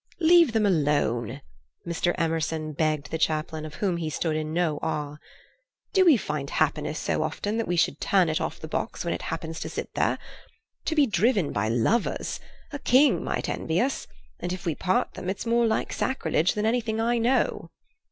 "Leave them alone," Mr. Emerson begged the chaplain, of whom he stood in no awe. "Do we find happiness so often that we should turn it off the box when it happens to sit there? To be driven by lovers—A king might envy us, and if we part them it's more like sacrilege than anything I know."